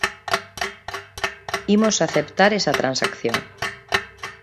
Imos aceptar esa transacción.